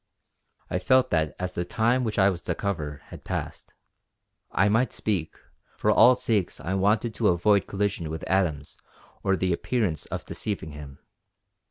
I felt that as the time which I was to cover had passed, I might speak; for all sakes I wanted to avoid collision with Adams or the appearance of deceiving him.